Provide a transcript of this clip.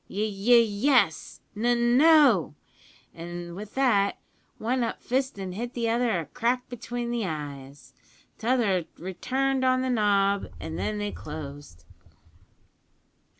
`Y Y Yes!' `N No!' an' with that, one up fist an' hit the other a crack between the eyes. T'other returned on the nob, and then they closed.